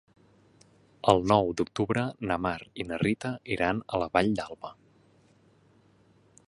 El nou d'octubre na Mar i na Rita iran a la Vall d'Alba.